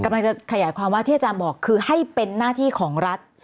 กำลังจะขยายความว่าที่อาจารย์บอกคือให้เป็นหน้าที่ของรัฐ